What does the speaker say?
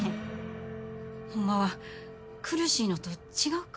ホンマは苦しいのと違うか？